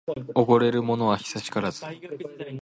おごれるものは久しからず